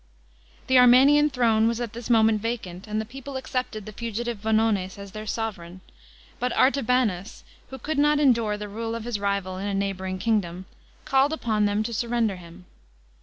The Armenian throne was at this moment vacant, and the people accepted the fugitive Vonones as their sovran; but Artabanus, who could not endure the rule of his rival in a neighbouring kingdom, called upon them to surrender him.